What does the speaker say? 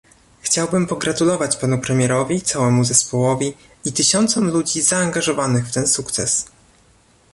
Chciałbym pogratulować panu premierowi, całemu zespołowi i tysiącom ludzi zaangażowanych w ten sukces